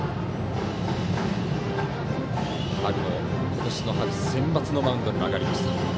今年の春センバツのマウンドにも上がりました。